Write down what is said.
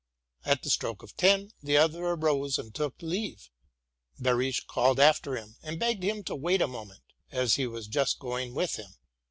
At the stroke of ten, the other arose and took leave. Behrisch called after him, and begged him to wait a moment, as he was just going with him.